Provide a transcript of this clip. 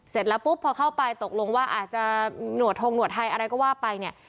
เสร็จแล้วปุ๊บพอเข้าไปตกลงว่าอาจจะหนวดทงหนวดไทยอะไรก็ว่าไปเนี่ย